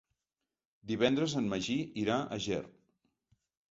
Divendres en Magí irà a Ger.